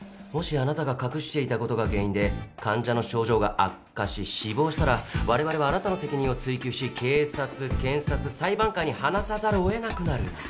もしあなたが隠していたことが原因で患者の症状が悪化し死亡したら我々はあなたの責任を追及し警察検察裁判官に話さざるをえなくなる。